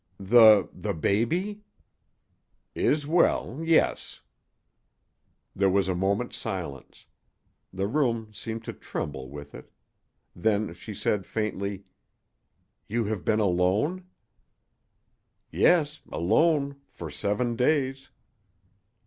"The the baby?" "Is well yes." There was a moment's silence. The room seemed to tremble with it. Then she said, faintly: "You have been alone?" "Yes alone for seven days."